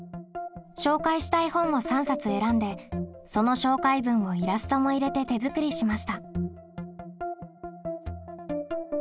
紹介したい本を３冊選んでその紹介文をイラストも入れて手作りしました。